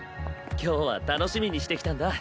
今日は楽しみにしてきたんだ。